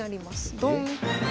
ドン。